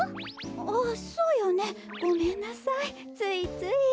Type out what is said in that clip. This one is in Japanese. あっそうよねごめんなさいついつい。